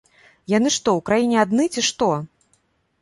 Яны што, у краіне адны, ці што!?